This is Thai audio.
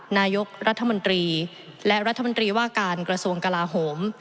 นายกรัฐมนตรีและรัฐมนตรีว่าการกระทรวงกลาโหม